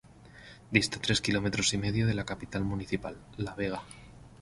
Dista tres kilómetros y medio de la capital municipal, La Vega.